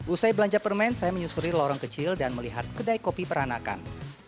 usai belanja permen saya menyusuri lorong kecil dan melihat kedai kopi peranakan